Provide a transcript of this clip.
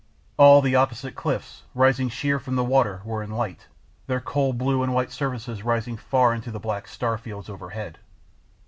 All the opposite cliffs, rising sheer from the water, were in light, their cold blue and white surfaces rising far up into the black starfields overhead.